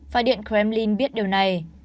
và điện kremlin biết điều này